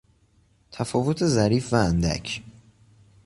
تفاوت ظریف و اندک